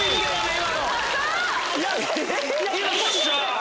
今の。